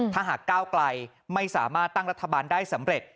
ถ้าหากก้าวไกลไม่สามารถตั้งรัฐบาลได้สำเร็จ